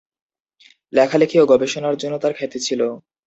লেখালেখি ও গবেষণার জন্য তার খ্যাতি ছিল।